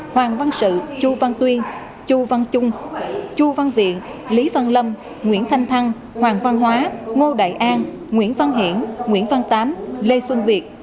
hoàng văn sự chu văn tuyên chu văn trung chu văn viện lý văn lâm nguyễn thanh thăng hoàng văn hóa ngô đại an nguyễn văn hiển nguyễn văn tám lê xuân việt